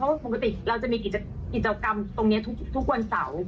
เพราะปกติเราจะมีกิจกรรมตรงนี้ทุกวันเสาร์